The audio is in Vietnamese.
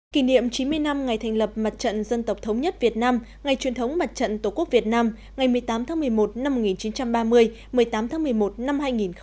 kỷ niệm chín mươi năm ngày thành lập mặt trận dân tộc thống nhất việt nam ngày truyền thống mặt trận tổ quốc việt nam ngày một mươi tám tháng một mươi một năm một nghìn chín trăm ba mươi một mươi tám tháng một mươi một năm hai nghìn hai mươi